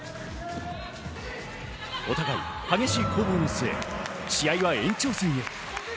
お互い激しい攻防を見せ、試合は延長戦に。